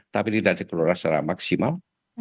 tapi tidak dikelola secara maksimal